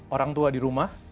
orang tua di rumah